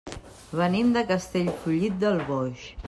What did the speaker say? Venim de Castellfollit del Boix.